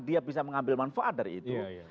dia bisa mengambil manfaat dari itu